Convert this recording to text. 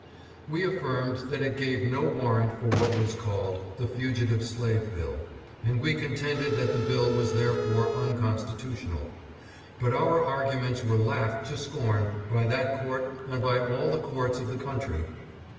We affirmed that it gave no warrant for what was called " The Fugitive Slave Bill," and we contended that the bill was therefore unconstitutional ; but our ADDRESS AT LINCOLN HALL. 665 arguments were laughed to scorn by that court and by all the courts of the country.